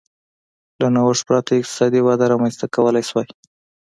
له نوښت پرته اقتصادي وده رامنځته کولای شوای